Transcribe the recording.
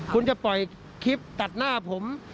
คุณจะปล่อยคลิปตัดหน้าผม